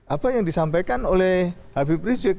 apa yang disampaikan oleh habib rizik